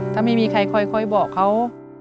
ถ้าไม่มีใครคอยบอกเขา